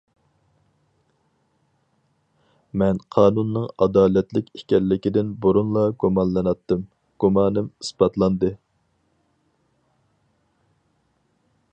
مەن قانۇننىڭ ئادالەتلىك ئىكەنلىكىدىن بۇرۇنلا گۇمانلىناتتىم، گۇمانىم ئىسپاتلاندى.